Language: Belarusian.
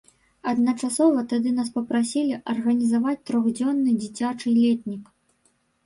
Адначасова тады нас папрасілі арганізаваць трохдзённы дзіцячы летнік.